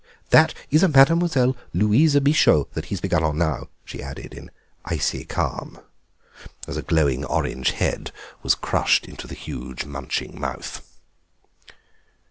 That is a Mademoiselle Louise Bichot that he's begun on now," she added in icy calm, as a glowing orange head was crushed into the huge munching mouth.